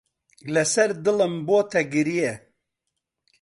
لەسەر دڵم بۆتە گرێ.